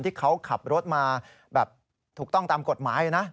ที่เขาขับรถมาแบบถูกต้องตามกฎหมายนะ